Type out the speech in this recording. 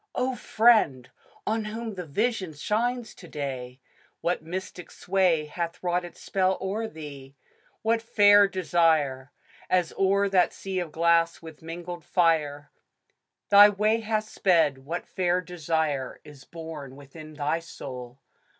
O Friend ! on whom the Vision shines to day. What mystic sway ^3 ^ COMPANIONED. Hath wrought its spell o'er thee ? What fair desire, As o'er that sea of glass with mingled fire Thy way hath sped — what fair desire Is born within thy soul